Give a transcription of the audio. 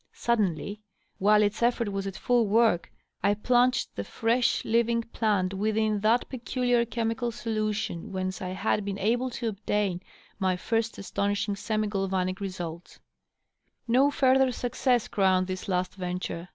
Suddenly, while its effort was at Ml work, I plunged the fresh, living plant within that peculiar chemical solution whence I had been able to obtain my first astonishing semi galvanic results. No further success crowned this last venture.